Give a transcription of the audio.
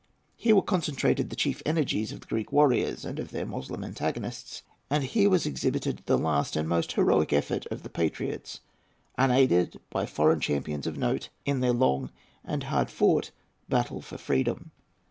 Here were concentrated the chief energies of the Greek warriors and of their Moslem antagonists, and here was exhibited the last and most heroic effort of the patriots, unaided by foreign champions of note, in their long and hard fought battle for freedom.